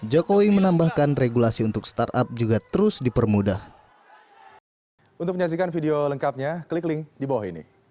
jokowi menambahkan regulasi untuk startup juga terus dipermudah